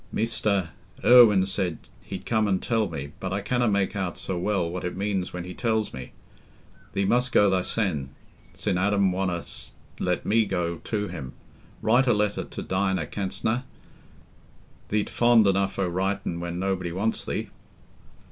Mester Irwine said he'd come an' tell me, but I canna make out so well what it means when he tells me. Thee must go thysen, sin' Adam wonna let me go to him. Write a letter to Dinah canstna? Thee't fond enough o' writin' when nobody wants thee."